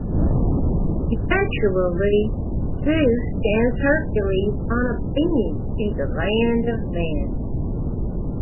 Eventually Zeus sends Hercules, on a beam, to the land of men.